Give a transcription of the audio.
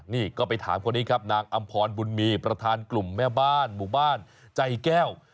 นี่ก็ไปถามคนนี้ครับนางอำพรบุญมีประธานกลุ่มแม่บ้านหมู่บ้านใจแก้ว